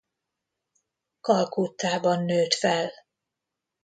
Kalkuttában nőtt fel.